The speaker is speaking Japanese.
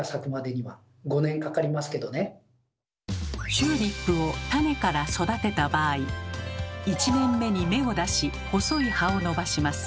チューリップを種から育てた場合１年目に芽を出し細い葉を伸ばします。